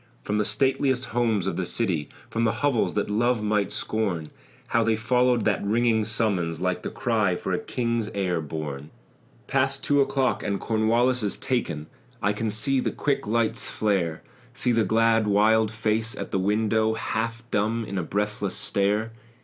From the stateliest homes of the city, From hovels that love might scorn, How they followed that ringing summons, Like the cry for a king's heir born! "Past two o'clock and Cornwallis is taken." I can see the quick lights flare, See the glad, wild face at the window, Half dumb in a breathless stare.